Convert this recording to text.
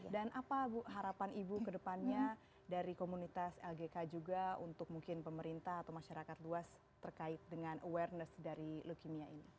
dan apa harapan ibu ke depannya dari komunitas lgk juga untuk mungkin pemerintah atau masyarakat luas terkait dengan awareness dari leukemia ini